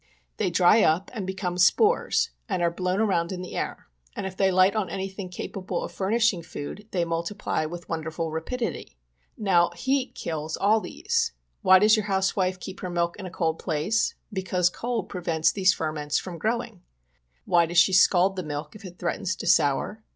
They dry up and become spores and POISONING BY CANNED GOODS. 59 are blown around in the air, and if they light on anything capable of furnishing food they multiply with wonderful rapidity. Now, heat kills all these ; why does your house wife keep her milk in a cold place ? because cold prevents these ferments from growing. Why does she scald the milk if it threatens to sour